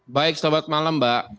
baik selamat malam mbak